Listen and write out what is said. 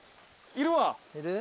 いるわ。